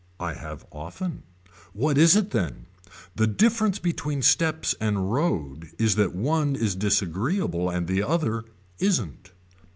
I have often. What is it then. The difference between steps and road is that one is disagreeable and the other isn't.